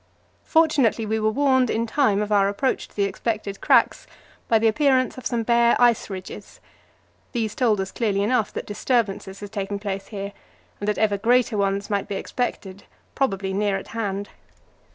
Fortunately, we were warned in time of our approach to the expected cracks by the appearance of some bare ice ridges. These told us clearly enough that disturbances had taken place here, and that even greater ones might be expected, probably near at hand.